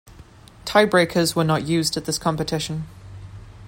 Tie-breakers were not used at this competition.